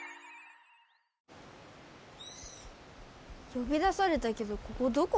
よび出されたけどここどこ？